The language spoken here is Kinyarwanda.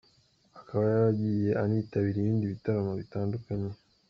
Akaba yaragiye anitabira ibindi bitaramo bitandukanye.